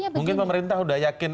mungkin pemerintah sudah yakin